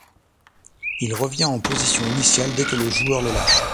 Il revient en position initiale dès que le joueur le lâche.